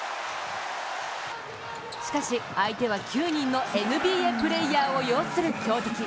しかし、相手は９人のＮＢＡプレーヤーを擁する強敵。